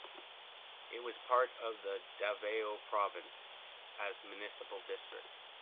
It was part of the Davao province as Municipal District.